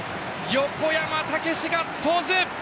横山武史がガッツポーズ！